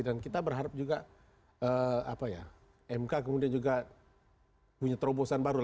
dan kita berharap juga mk kemudian juga punya terobosan baru